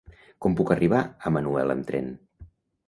Com puc arribar a Manuel amb tren?